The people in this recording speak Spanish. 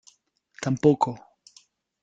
tampoco.